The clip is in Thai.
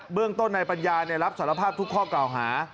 เรื่องต้นนายปัญญารับสารภาพทุกข้อกล่าวหา